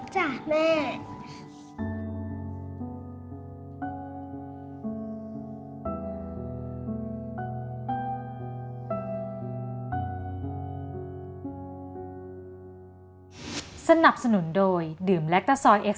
จ๊ะแม่